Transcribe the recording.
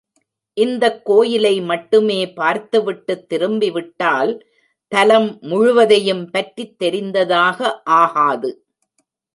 இந்தக்கோயிலை மட்டுமே பார்த்துவிட்டுத் திரும்பி விட்டால், தலம் முழுவதையும் பற்றித் தெரிந்ததாக ஆகாது.